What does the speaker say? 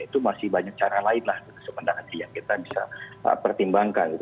itu masih banyak cara lain lah sebenarnya yang kita bisa pertimbangkan